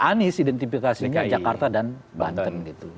anies identifikasinya jakarta dan banten gitu